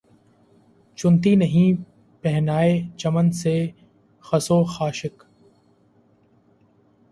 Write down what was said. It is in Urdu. چنتی نہیں پہنائے چمن سے خس و خاشاک